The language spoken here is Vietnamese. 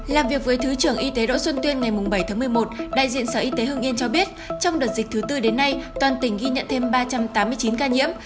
làm việc với thứ trưởng y tế đỗ xuân tuyên ngày bảy tháng một mươi một đại diện sở y tế hương yên cho biết trong đợt dịch thứ tư đến nay toàn tỉnh ghi nhận thêm ba trăm tám mươi chín ca nhiễm